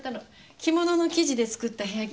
着物の生地で作った部屋着。